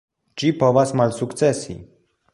Ĝi povas malsukcesi.